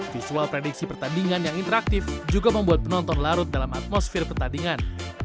visual prediksi pertandingan yang interaktif juga membuat penonton larut dalam atmosfer pertandingan